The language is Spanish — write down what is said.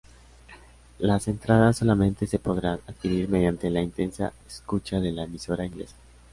Las entradas solamente se podrán adquirir mediante la intensa escucha de la emisora inglesa.